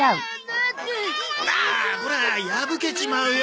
あこら破けちまうよ。